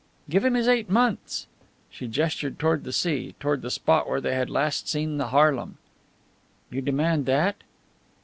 "Give him his eight months." She gestured toward the sea, toward the spot where they had last seen the Haarlem. "You demand that?"